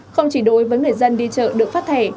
không chỉ đối với người dân đi chợ được phát thẻ